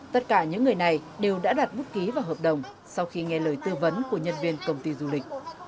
tất cả những người này đều đã đặt bút ký vào hợp đồng sau khi nghe lời tư vấn của nhân viên công ty du lịch